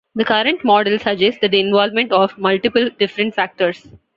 The current model suggests the involvement of multiple different factors.